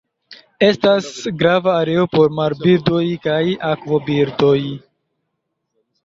Estas grava areo por marbirdoj kaj akvobirdoj.